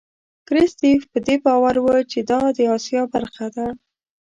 کرستیف په دې باور و چې دا د آسیا برخه ده.